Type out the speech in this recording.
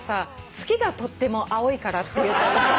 『月がとっても青いから』っていう。